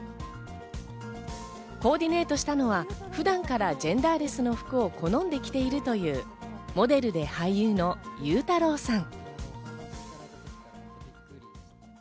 コーディネートしたのは普段からジェンダーレスの服を好んで着ているという、モデルで俳優のゆうたろうさん。